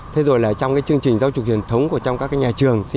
thế rồi là trong chương trình giáo dục truyền thống của trong các nhà trường